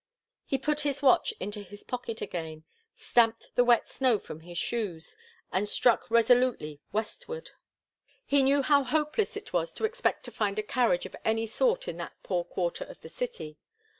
He put his watch into his pocket again, stamped the wet snow from his shoes and struck resolutely westward. He knew how hopeless it was to expect to find a carriage of any sort in that poor quarter of the city.